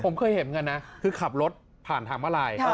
ผมเคยเห็นกันนะคือขับรถผ่านทางมาลาย